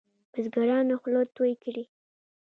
بزګرانو خوله توی کړې.